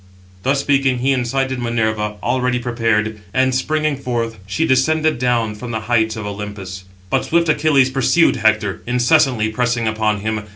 Thus speaking, he incited Minerva, already prepared; and, springing forth, she descended down from the heights of Olympus. But swift Achilles pursued Hector, incessantly pressing upon him.